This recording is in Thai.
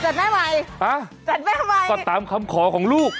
จัดแม่ใหม่นี่แห่งต้นมากออกแล้วก็ตามคำขอของลูก